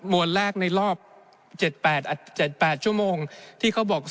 วนแรกในรอบ๗๘ชั่วโมงที่เขาบอก